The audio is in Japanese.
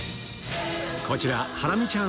こちらハラミちゃん